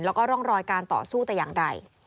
แล้วก็ร่องรอยการต่อสู้แต่อย่างใด